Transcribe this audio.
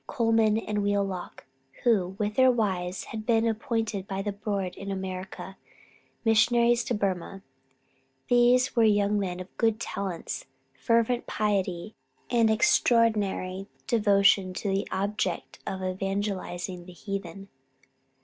Colman and Wheelock, who, with their wives, had been appointed by the Board in America, Missionaries to Burmah. They were young men of good talents, fervent piety, and extraordinary devotion to the object of evangelizing the heathen.